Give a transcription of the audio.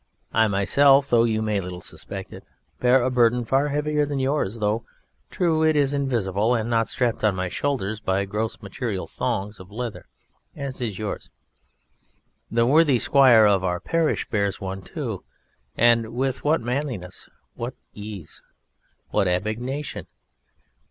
I myself, though you may little suspect it, bear a burden far heavier than yours, though, true, it is invisible, and not strapped on to my shoulders by gross material thongs of leather, as is yours. The worthy Squire of our parish bears one too; and with what manliness! what ease! what abnegation!